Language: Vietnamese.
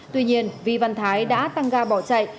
tuy nhiên vi văn thái đã tăng ga bỏ chạy